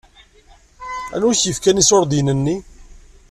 Anwi i k-yefkan iṣuṛdiyen-nni?